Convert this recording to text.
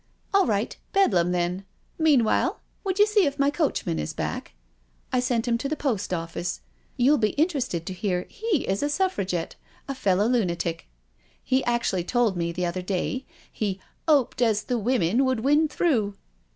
" All right, Bedlam then. Meanwhile, would you see if my coachman is back? I sent him to the post office —you'll be interested to hear he is ^ Suffragette— a fellow lunatic. He actually told me the other day he * 'oped as the women would win through.'